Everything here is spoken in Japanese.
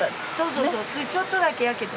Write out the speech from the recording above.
そうそうちょっとだけ開けて。